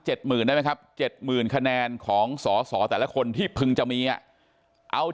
๗หมื่นนะครับ๗หมื่นคะแนนของสอแต่ละคนที่พึงจะมีเอา